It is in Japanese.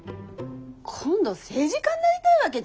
今度政治家になりたいわけ？